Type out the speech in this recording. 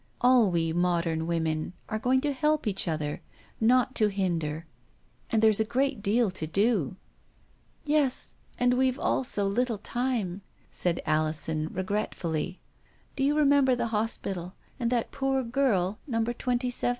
All we modern women are going to help each other, not to hinder. And there's a great deal to do !"" Yes, it isn't a pretty world," said Alison warmly. "Do you remember the hospital, and that poor girl, Number Twenty seven